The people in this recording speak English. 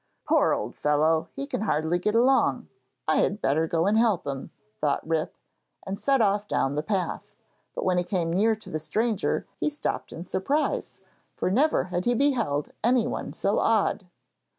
'Poor old fellow! he can hardly get along. I had better go and help him,' thought Rip, and set off down the path; but when he came near to the stranger he stopped in surprise, for never had he beheld anyone so odd.